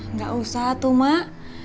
enggak usah tuh mak